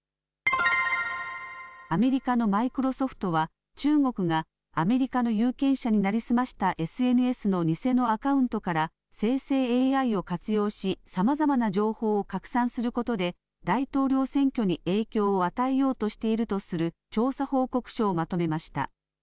アメリカのマイクロソフトは中国がアメリカの有権者に成り済ましたＳＮＳの偽のアカウントから生成ＡＩを活用しさまざまな情報を拡散することで大統領選挙に影響を与えようとしているとする調査報告書をまとめました。